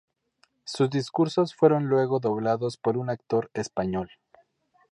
Sus discursos fueron luego doblados por un actor español.